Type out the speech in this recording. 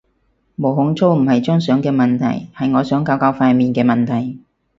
毛孔粗唔係張相嘅問題，係我想搞搞塊面嘅問題